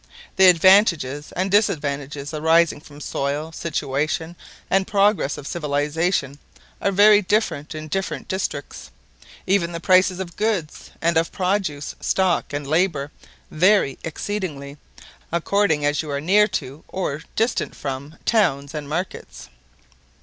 The advantages and disadvantages arising from soil, situation, and progress of civilization, are very different in different districts: even the prices of goods and of produce, stock and labour, vary exceedingly, according as you are near to, or distant from, towns and markets."